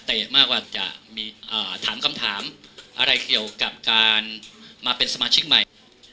แต่มากกว่าจะมีถามคำถามอะไรเกี่ยวกับการมาเป็นสมาชิกใหม่